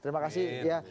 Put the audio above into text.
terima kasih ya